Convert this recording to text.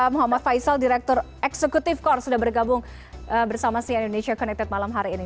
muhammad faisal direktur eksekutif kor sudah bergabung bersama sian indonesia connected malam hari ini